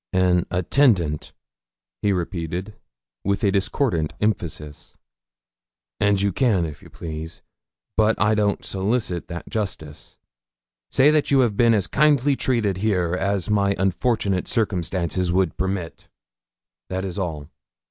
'An attendant,' he repeated, with a discordant emphasis; 'and you can, if you please but I don't solicit that justice say that you have been as kindly treated here as my unfortunate circumstances would permit. That is all.